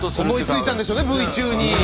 思いついたんでしょうねＶ中に。